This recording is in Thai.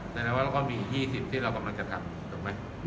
แสดงว่าเราก็มี๒๐ที่เรากำลังจะทำถูกไหม